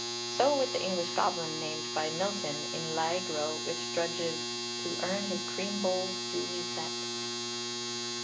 So with the English goblin named by Milton in 'L'Allegro,' which drudges, To earn his cream bowl duly set.